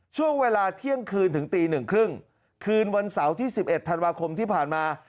ช่วงเวลาเที่ยงคืนถึงตีหนึ่งครึ่งคืนวันเสาร์ที่๑๑ธันวาคมที่ผ่านมา